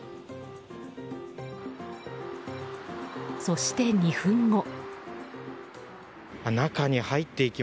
そして２分後。